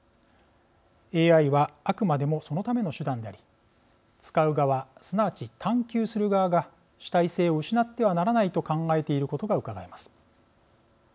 ＡＩはあくまでもそのための手段であり使う側すなわち探究する側が主体性を失ってはならないと考えていることがうかがえます。